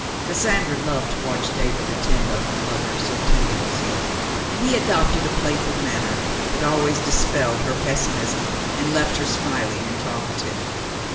Cassandra loved to watch David attend on her mother, so tender was he ; and he adopted a playful manner that always dispelled her pessimism and left her smiling and talkative.